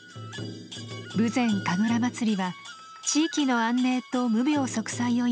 ぶぜん神楽まつりは地域の安寧と無病息災を祈り